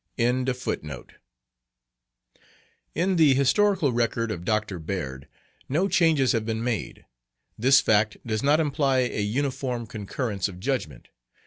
Page v In the historical record of Dr. Beard, no changes have been made. This fact does not imply a uniform concurrence of judgment.